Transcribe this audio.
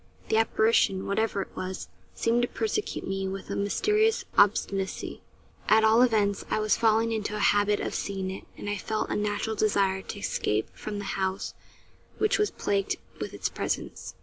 The apparition, whatever it was, seemed to persecute me with a mysterious obstinacy; at all events, I was falling into a habit of seeing it; and I felt a natural desire to escape from the house which was plagued with its presence.